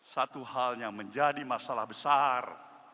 satu hal yang menjadi masalah besar